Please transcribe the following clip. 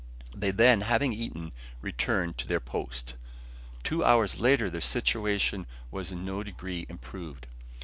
They then, having eaten, returned to their post. Two hours later, their situation was in no degree improved.